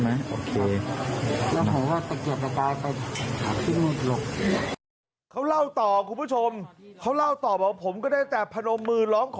มันเนียบกี่ครั้ง